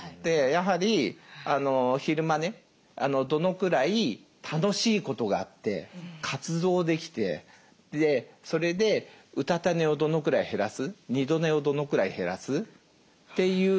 やはり昼間ねどのくらい楽しいことがあって活動できてそれでうたた寝をどのくらい減らす二度寝をどのくらい減らすっていう。